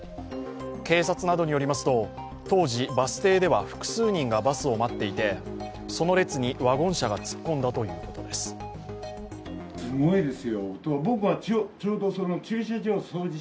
警察などによりますと、当時バス停では複数人がバスを待っていて、その列にワゴン車が突っ込んだということです。